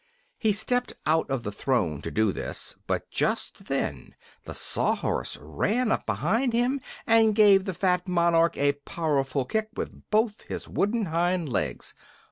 He stepped out of the throne to do this, but just then the Sawhorse ran up behind him and gave the fat monarch a powerful kick with both his wooden hind legs.